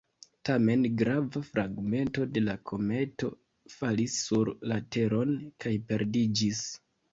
Tamen grava fragmento de la kometo falis sur la Teron kaj perdiĝis.